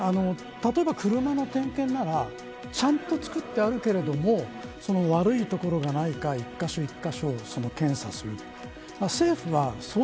例えば車の点検ならちゃんとつくってあるけれども悪いところがないか一か所一か所検査する。